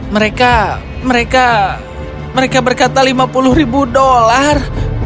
mereka mereka berkata lima puluh ribu dolar